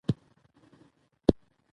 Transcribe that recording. لوستې میندې د ماشوم پر ناروغۍ خبر وي.